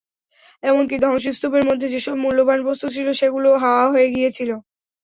এমনকি ধ্বংসস্তূপের মধ্যে যেসব মূল্যবান বস্তু ছিল, সেগুলোও হাওয়া হয়ে গিয়েছিল।